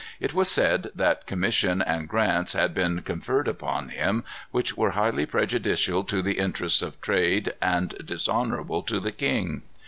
It was said that commission and grants had been conferred upon him, which were highly prejudicial to the interests of trade and dishonorable to the king.